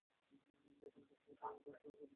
এখন থেকে ওরা আর কারো পোদে কাঠি করবে না।